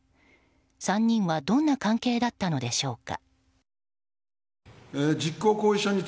３人はどんな関係だったのでしょうか。